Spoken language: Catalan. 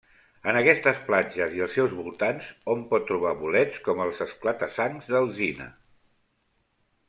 En aquestes platges i els seus voltants hom pot trobar bolets com els esclata-sangs d'alzina.